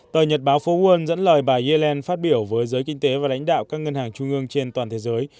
tờ nhật báo phố won dẫn lời bà yellen phát biểu với giới kinh tế và lãnh đạo các ngân hàng trung ương trên toàn thế giới